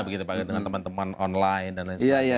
begitu pak dengan teman teman online dan lain sebagainya